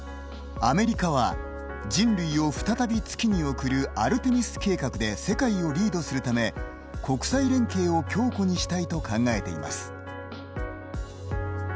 アメリカは人類を再び月に送る「アルテミス計画」で世界をリードするため国際連携を強固にしたいと考えています。